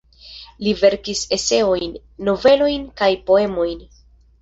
Li verkis eseojn, novelojn kaj poemojn.